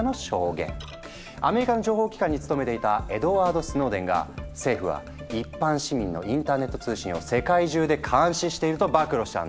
アメリカの情報機関に務めていたエドワード・スノーデンが政府は一般市民のインターネット通信を世界中で監視していると暴露したんだ。